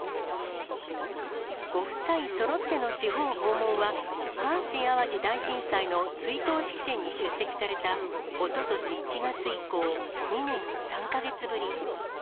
ご夫妻そろっての地方訪問は、阪神・淡路大震災の追悼式典に出席された、おととし１月以降、２年３か月ぶり。